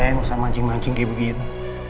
nggak usah mancing mancing kayak begitu